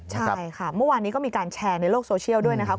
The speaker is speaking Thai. ใช่ค่ะเมื่อวานนี้ก็มีการแชร์ในโลกโซเชียลด้วยนะครับ